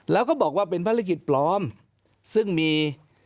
แล้วก็บอกว่าเป็นภารกิจปลอมซึ่งมี